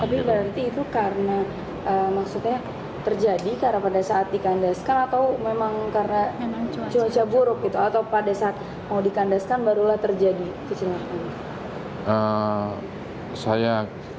tapi berarti itu karena maksudnya terjadi karena pada saat dikandaskan atau memang karena cuaca buruk gitu atau pada saat mau dikandaskan barulah terjadi kesinangan